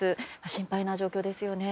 心配な状況ですよね。